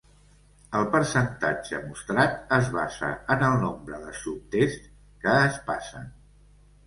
El percentatge mostrat es basa en el nombre de subtests que es passen.